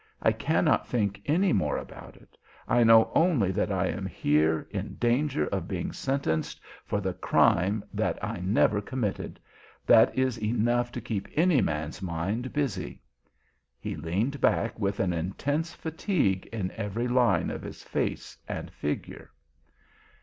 I cannot think any more about it. I know only that I am here in danger of being sentenced for the crime that I never committed that is enough to keep any man's mind busy." He leaned back with an intense fatigue in every line of his face and figure.